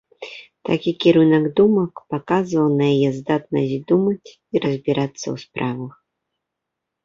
Такі кірунак думак паказваў на яе здатнасць думаць і разбірацца ў справах.